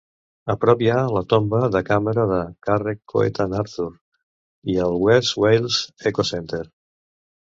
A prop hi ha la tomba de càmera de Carreg Coetan Arthur i el West Wales Eco Centre.